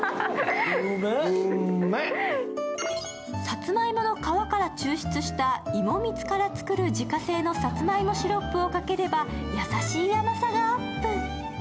さつまいもの皮から抽出した芋蜜から作る自家製のさつまいもシロップをかければ、優しい甘さがアップ。